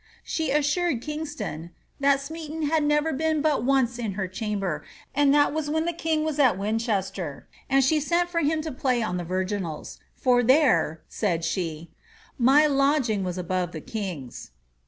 '' She assured Kingston, ^ That Smeaton had never been but once in her chamber, and that was when the king was at Winchester, and she sent for him to play on the virginals ; for there," said she, ^^ my lodging was above the king's."